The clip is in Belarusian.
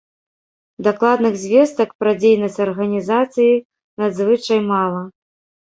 Дакладных звестак пра дзейнасць арганізацыі надзвычай мала.